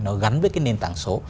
nó gắn với nền tảng số